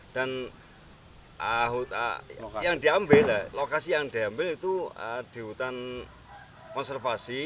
dan lokasi yang diambil itu di hutan konservasi